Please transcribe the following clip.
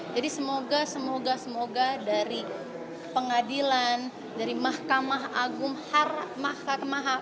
jadi semoga semoga semoga dari pengadilan dari mahkamah agung harap mahkamah